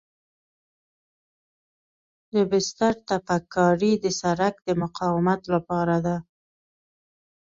د بستر تپک کاري د سرک د مقاومت لپاره ده